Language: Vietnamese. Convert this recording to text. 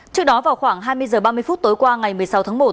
trước đó vào khoảng hai mươi h ba mươi phút tối qua ngày một mươi sáu tháng một